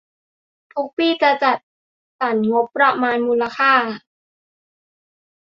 ทุกปีจะจัดสรรงบประมาณมูลค่า